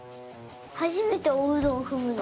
はじめておうどんふむの。